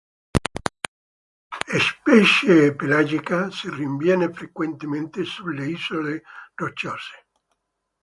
Specie pelagica si rinviene frequentemente sulle isole rocciose.